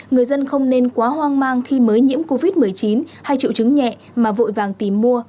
người dân không nên quá hoang mang khi mới nhiễm covid một mươi chín hay triệu chứng nhẹ mà vội vàng tìm mua